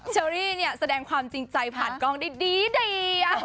เชอรี่เนี่ยแสดงความจริงใจผ่านกล้องได้ดี